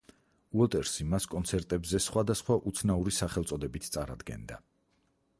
უოტერსი მას კონცერტებზე სხვადასხვა უცნაური სახელწოდებით წარადგენდა.